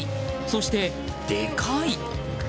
そして、でかい！